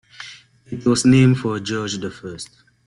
It was named for George the First.